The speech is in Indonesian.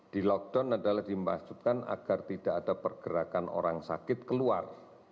di lockdown adalah dimaksudkan agar tidak ada pergerakan orang sakit keluar